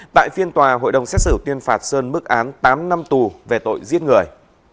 tại phiên tòa hội đồng xét xử tuyên phạt sơn bức án tám năm tù về tội giết người